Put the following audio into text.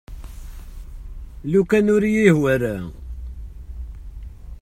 Lukan ur iyi-yehwi ara.